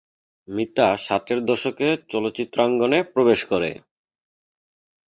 মিতা ষাটের দশকে চলচ্চিত্রাঙ্গনে প্রবেশ করে।